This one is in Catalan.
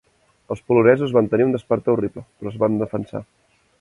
Els polonesos van tenir un despertar horrible, però es van defensar.